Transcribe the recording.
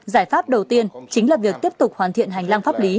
giải pháp đầu tiên chính là việc tiếp tục hoàn thiện hành lang pháp lý